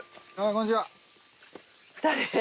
こんにちは。